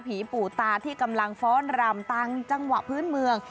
ปู่ตาที่กำลังฟ้อนรำต่างจังหวะพื้นเมือง